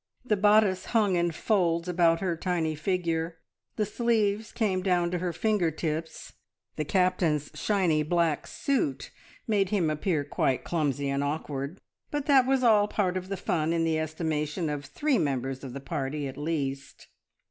The bodice hung in folds about her tiny figure, the sleeves came down to her finger tips; the Captain's shiny black suit made him appear quite clumsy and awkward, but that was all part of the fun, in the estimation of three members of the party, at least.